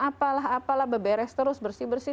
apalah apalah beberes terus bersih bersih